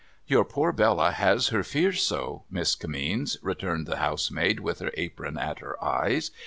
' Your poor Bella has her fears so. Miss Kimmeens,' returned the housemaid, with her apron at her eyes.